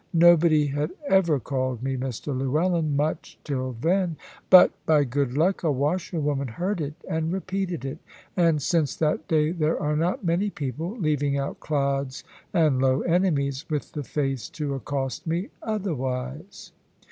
Nobody had ever called me "Mr Llewellyn" much till then; but, by good luck, a washerwoman heard it and repeated it; and since that day there are not many people (leaving out clods and low enemies) with the face to accost me otherwise.